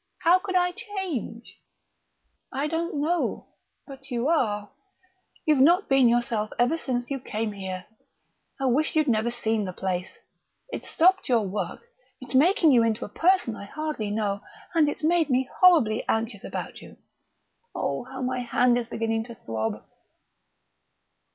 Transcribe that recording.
How could I change?" "I don't know, but you are. You've not been yourself ever since you came here. I wish you'd never seen the place. It's stopped your work, it's making you into a person I hardly know, and it's made me horribly anxious about you.... Oh, how my hand is beginning to throb!"